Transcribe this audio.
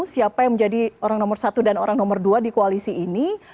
siapa yang menjadi orang nomor satu dan orang nomor dua di koalisi ini